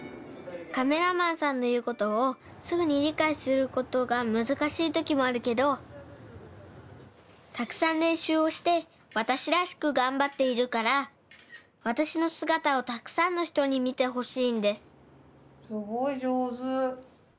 カメラマンさんのいうことをすぐにりかいすることがむずかしいときもあるけどたくさんれんしゅうをしてわたしらしくがんばっているからわたしのすがたをたくさんのひとにみてほしいんですすごいじょうず！